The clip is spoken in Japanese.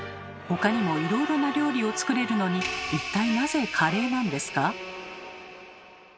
他にもいろいろな料理を作れるのに一体なぜカレーなんですか？